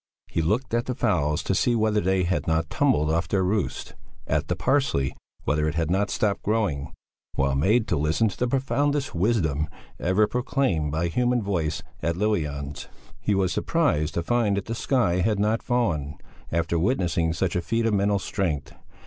He looked at the fowls to see whether they had not tumbled off their roosts; at the parsley whether it had not stopped growing while made to listen to the profoundest wisdom ever proclaimed by human voice at Lill Jans; he was surprised to find that the sky had not fallen after witnessing such a feat of mental strength.